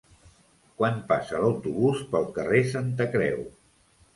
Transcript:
Quan passa l'autobús pel carrer Santa Creu?